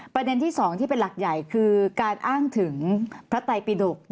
ประเด็นที่๒ที่เป็นหลักใหญ่คือการอ้างถึงพระไตปิดก